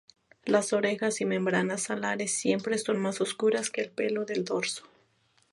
Las orejas y membranas alares siempre son más oscuras que el pelo del dorso.